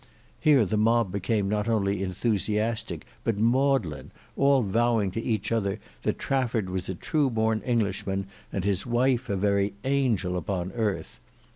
Here the mob became not only enthusiastic but maudlin; all vowing to each other that Trafford was a true born Englishman and his wife a very angel upon earth.